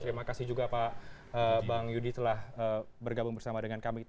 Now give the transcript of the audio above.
terima kasih juga pak bang yudi telah bergabung bersama dengan kami